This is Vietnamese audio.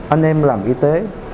anh em làm y tế